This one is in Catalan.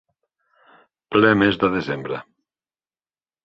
Ple mes de desembre.